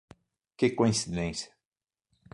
Que coincidência!